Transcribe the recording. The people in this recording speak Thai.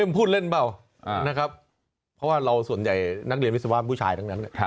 บอกว่าพูดเล่นเปล่าอ่านะครับเพราะว่าเราส่วนใหญ่นักเรียนวิศวาสมัยผู้ชายทั้งนั้นเนี่ย